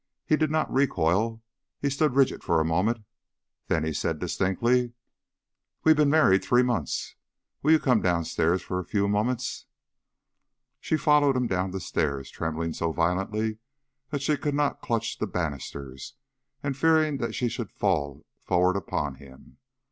He did not recoil, he stood rigid for a moment. Then he said distinctly, "We have been married three months. Will you come downstairs for a few moments?" She followed him down the stair, trembling so violently that she could not clutch the banisters, and fearing she should fall forward upon him.